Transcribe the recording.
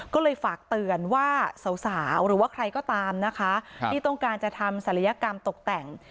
ก็เลยฝากเตือนว่าสาวหรือว่าใครก็ตามนะคะที่ต้องการจะทำศัลยกรรมตกแต่ง